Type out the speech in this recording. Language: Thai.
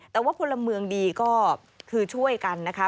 แต่ว่าพลเมืองดีก็คือช่วยกันนะคะ